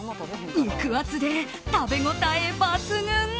肉厚で食べ応え抜群。